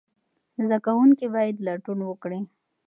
زده کوونکي باید لټون وکړي.